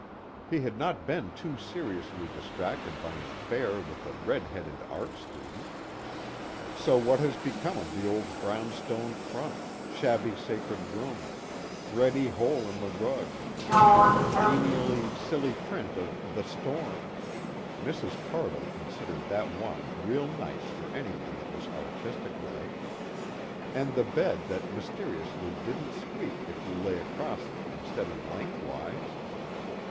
He had not been too seriously distracted by an affair with a redheaded art student. So what has become of the old brownstone front, shabby sacred rooms, thready hole in the rug, genially silly print of "The Storm" Mrs. Cardle considered that one real nice for anyone that was artistic like and the bed that mysteriously didn't squeak if you lay across it instead of lengthwise?